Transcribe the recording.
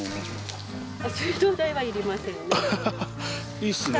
いいっすね。